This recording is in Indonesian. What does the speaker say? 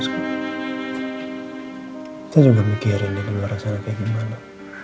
saya juga mikirin dia di luar sana kayak gimana